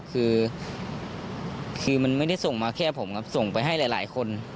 คือคือมันไม่ได้ส่งมาแค่ผมครับส่งไปให้หลายคน